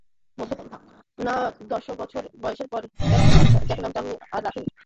না, দশ বছর বয়সের পর জ্যাক নামটা আর রাখিনি।